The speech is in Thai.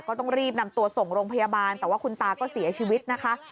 ก็ต้องรีบนำตัวส่งโรงพยาบาลแต่ว่าคุณตาก็เสียชีวิตนะคะ